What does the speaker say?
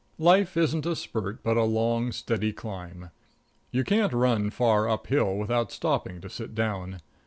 Life isn't a spurt, but a long, steady climb. You can't run far up hill without stopping to sit down.